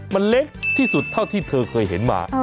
มันเล็กที่สุดเท่าที่เธอเคยเห็นมา